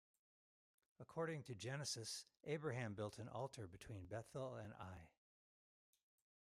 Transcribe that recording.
According to Genesis, Abraham built an altar between Bethel and Ai.